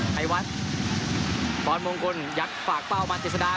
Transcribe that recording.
ชัยวัดปอนมงคลยัดฝากเป้ามาเจษฎา